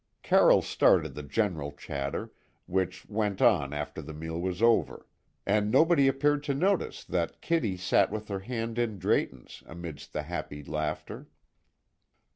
Carroll started the general chatter, which went on after the meal was over, and nobody appeared to notice that Kitty sat with her hand in Drayton's amidst the happy laughter.